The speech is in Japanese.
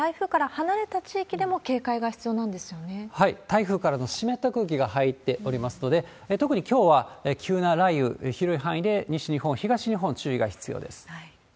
台風からの湿った空気が入っておりますので、特にきょうは急な雷雨、広い範囲で西日本、東日本、注意が必要です。